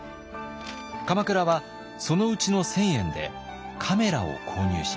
鎌倉はそのうちの１，０００円でカメラを購入します。